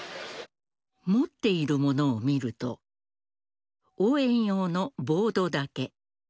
持っているものを見ると応援用のボードだけ。